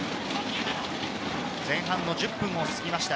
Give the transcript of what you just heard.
前半の１０分を過ぎました。